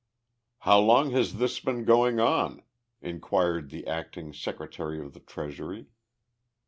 "How long has this been going on?" inquired the acting Secretary of the Treasury.